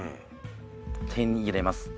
手に入れます。